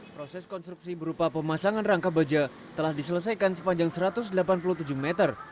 proses konstruksi berupa pemasangan rangka baja telah diselesaikan sepanjang satu ratus delapan puluh tujuh meter